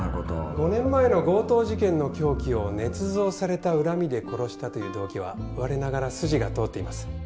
５年前の強盗事件の凶器を捏造された恨みで殺したという動機は我ながら筋が通っています。